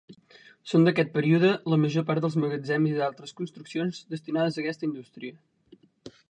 Són d'aquest període la major part dels magatzems i d'altres construccions destinades a aquesta indústria.